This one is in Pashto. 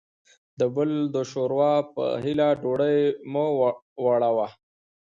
دبل دشوروا په هیله ډوډۍ مه وړه وه